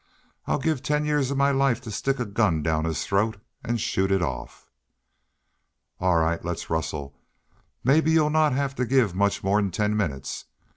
"I'd give ten years of my life to stick a gun down his throat an' shoot it off." "All right. Let's rustle. Mebbe y'u'll not have to give much more 'n ten minnits.